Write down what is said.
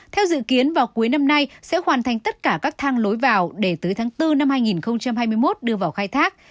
theo dự kiến vào cuối năm nay sẽ hoàn thành tất cả các thang lối vào để tới tháng bốn năm hai nghìn hai mươi một đưa vào khai thác